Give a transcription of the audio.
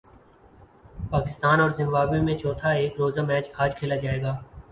پاکستان اور زمبابوے میں چوتھا ایک روزہ میچ اج کھیلا جائے گا